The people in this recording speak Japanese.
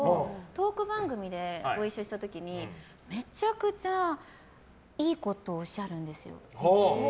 トーク番組でご一緒した時にめちゃくちゃいいことをおっしゃるんですよ。